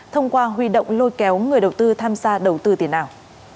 thông qua huy động lôi kéo người đầu tư tham gia đầu tư tiền ảo